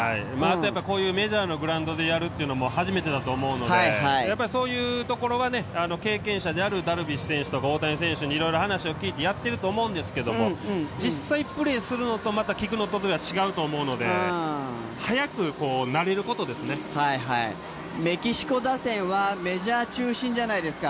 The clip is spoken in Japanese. こういうメジャーのグラウンドでやるのも初めてだと思うので、そういうところは経験者であるダルビッシュ選手や大谷選手にいろいろ話を聞いてやっていると思うんですけど実際プレーするのと、聞くのとは違うと思うので、メキシコ打線はメジャー中心じゃないですか。